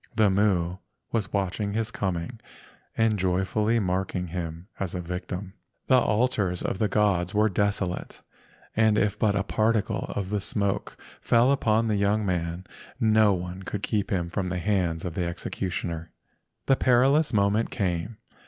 The Mu was watching his coming and joyfully marking him as a victim. The altars of the gods were desolate, and if but a particle of smoke fell upon the young man no one could keep him from the hands of the executioner. The perilous moment came.